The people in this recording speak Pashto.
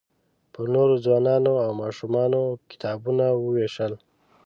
پر نوو ځوانانو او ماشومانو کتابونه ووېشل.